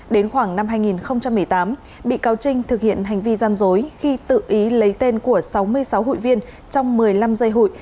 đến khoảng năm hai nghìn một mươi tám bị cáo trinh thực hiện hành vi gian dối khi tự ý lấy tên của sáu mươi sáu hụi viên trong một mươi năm dây hụi